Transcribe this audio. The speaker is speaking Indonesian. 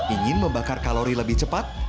ingin membakar kalori lebih cepat